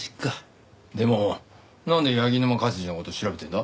でもなんで柳沼勝治の事調べてるんだ？